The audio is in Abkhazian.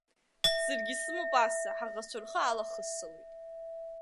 Саргьы исымоуп аса, ҳаӷацәа рхы алахыссалоит.